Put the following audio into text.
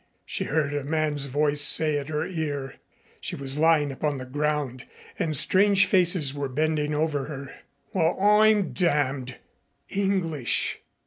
she heard a man's voice say at her ear. She was lying upon the ground, and strange faces were bending over her. "Well, I'm damned!" English!